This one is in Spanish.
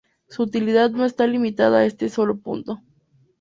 Su utilidad no está limitada a este solo punto.